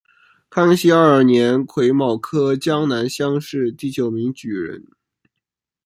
康熙二年癸卯科江南乡试第九名举人。